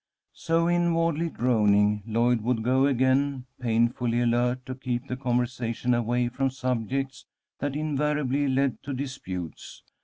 So inwardly groaning, Lloyd would go again, painfully alert to keep the conversation away from subjects that invariably led to disputes.